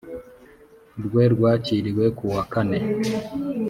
rwe rwakiriwe ku wa kane